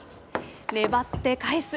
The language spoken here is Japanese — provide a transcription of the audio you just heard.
粘って返す。